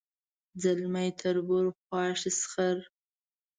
ځلمی تربور خواښې سخر